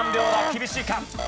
厳しいか？